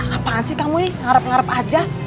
apaan sih kamu ini ngarep ngarep aja